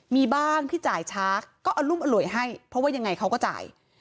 มีบ้างที่จ่ายช้าก็อรุมอร่วยให้เพราะว่ายังไงเขาก็จ่าย